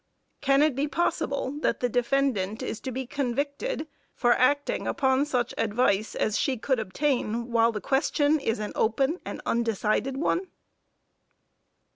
Can it be possible that the defendant is to be convicted for acting upon such advice as she could obtain while the question is an open and undecided one?"